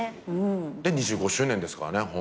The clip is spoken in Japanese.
で２５周年ですからね